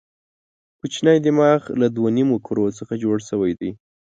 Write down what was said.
کوچنی دماغ له دوو نیمو کرو څخه جوړ شوی دی.